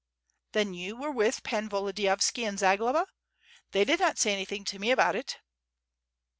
"Then you were with Pan Volodiyovski and Zagloba? They did not say anything to nie about it."